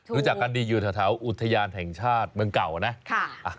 รู้จักกันดีอยู่แถวอุทยานแห่งชาติเมืองเก่านะ